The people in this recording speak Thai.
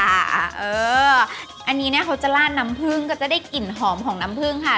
อันนี้เนี่ยเขาจะลาดน้ำผึ้งก็จะได้กลิ่นหอมของน้ำผึ้งค่ะ